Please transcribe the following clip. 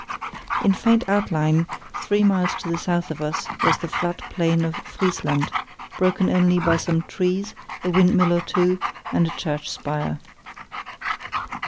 In faint outline three miles to the south of us was the flat plain of Friesland, broken only by some trees, a windmill or two, and a church spire.